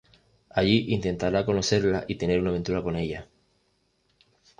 Allí intentará conocerla y tener una aventura con ella.